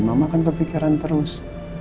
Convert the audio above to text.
mama akan berpikiran terus